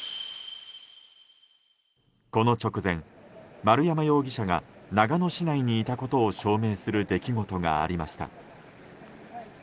この直前、丸山容疑者が長野市内にいたことを証明する出来事がありました。